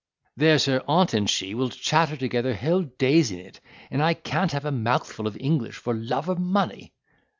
There's her aunt and she will chatter together whole days in it, and I can't have a mouthful of English for love or money."